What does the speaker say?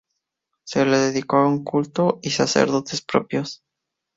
Se le dedicó un culto y sacerdotes propios.